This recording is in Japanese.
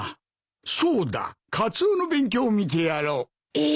そうだカツオの勉強を見てやろう。え！？